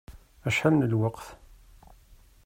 Acḥal n lweqt?